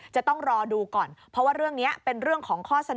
จะต้องรอดูก่อนเพราะว่าเรื่องนี้เป็นเรื่องของข้อเสนอ